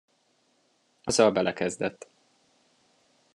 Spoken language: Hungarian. Azzal belekezdett.